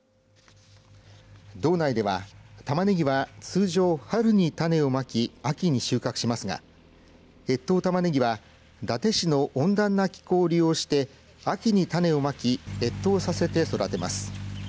道内ではタマネギは通常春に種をまき秋に収穫しますが越冬たまねぎは伊達市の温暖な気候を利用して秋に種をまき越冬させて育てます。